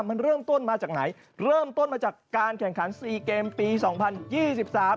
มันเริ่มต้นมาจากไหนเริ่มต้นมาจากการแข่งขันซีเกมปีสองพันยี่สิบสาม